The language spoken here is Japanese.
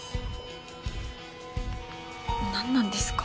何なんですか？